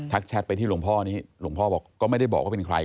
แชทไปที่หลวงพ่อนี้หลวงพ่อบอกก็ไม่ได้บอกว่าเป็นใคร